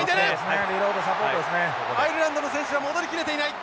アイルランドの選手は戻り切れていない。